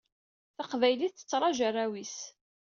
Taqbaylit tettṛaju arraw-is.